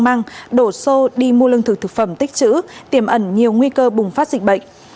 mang đổ xô đi mua lương thực thực phẩm tích chữ tiềm ẩn nhiều nguy cơ bùng phát dịch bệnh